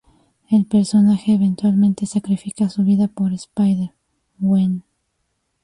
El personaje eventualmente sacrifica su vida por Spider-Gwen.